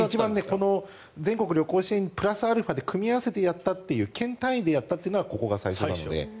全国旅行支援プラスアルファで組み合わせてやったという県単位でやったというのはここが最初なので。